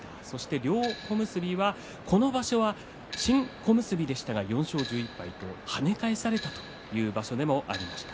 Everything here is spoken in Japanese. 両小結はこの場所は新小結でしたが４勝１１敗と跳ね返されたという場所でもありました。